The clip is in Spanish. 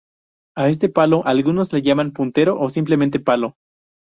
A este palo algunos le llaman Puntero, o simplemente, Palo.